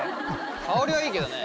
香りはいいけどね。